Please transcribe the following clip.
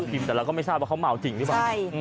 บินแต่เราก็ไม่ทราบว่าเขาเหมาจริงกันมาใช่